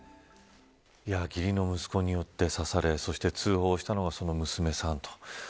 義理の息子によって刺されそして通報したのはその娘さんと。